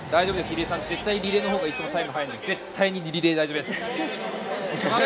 入江さんは絶対リレーのほうがいつもタイムが早いので絶対にリレーは大丈夫です。